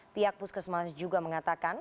pihak puskesmas juga mengatakan